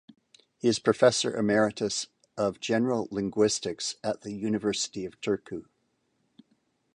He is professor emeritus of general linguistics at the University of Turku.